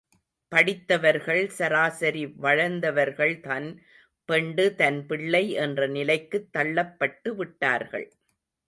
படித்தவர்கள் சராசரி வளர்ந்தவர்கள் தன் பெண்டு, தன் பிள்ளை, என்ற நிலைக்குத் தள்ளப்பட்டுவிட்டார்கள்.